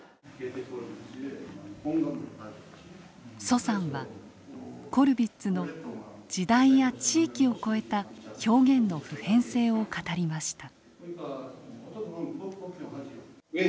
徐さんはコルヴィッツの時代や地域をこえた表現の普遍性を語りました。